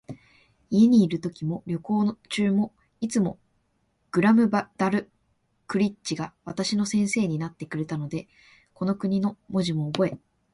家にいるときも、旅行中も、いつもグラムダルクリッチが私の先生になってくれたので、この国の文字もおぼえ、